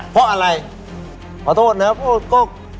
เพราะอะไรขอโทษนะพูดก็